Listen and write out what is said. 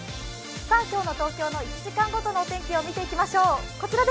今日の東京の１時間ごとの天気を見ていきましょう。